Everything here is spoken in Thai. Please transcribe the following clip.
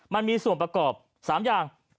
มันมีส่วนประกอบ๓อย่าง